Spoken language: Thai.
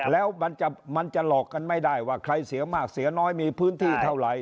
แล้วมันจะหลอกกันไม่ได้ว่าใครเสียมากเสียน้อยมีพื้นที่เท่าไหร่